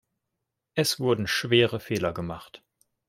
Es wurden schwere Fehler gemacht.